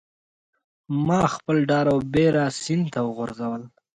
ماخپل ډار او بیره سیند ته وغورځول